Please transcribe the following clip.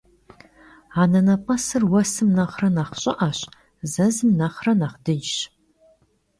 Anenep'esır vuesım nexhre nexh ş'ı'eş, zezım nexhre nexh dıcş.